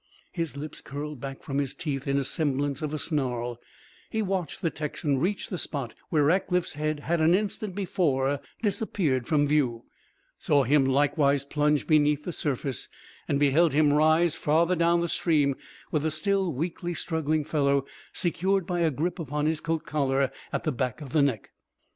His lips curled back from his teeth in a semblance of a snarl; he watched the Texan reach the spot where Rackliff's head had an instant before disappeared from view, saw him likewise plunge beneath the surface, and beheld him rise, farther down the stream, with the still weakly struggling fellow secured by a grip upon his coat collar at the back of the neck.